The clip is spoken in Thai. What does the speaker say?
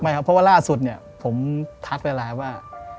ไม่เพราะว่าร่าสุดผมทักเวลาว่า